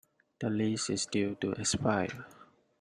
The lease is due to expire.